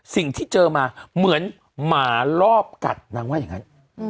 สิ่งที่เจอมาเหมือนหมาลอบกัดนางว่าอย่างนั้น